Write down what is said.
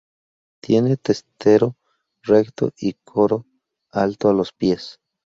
Tiene testero recto y coro alto a los pies.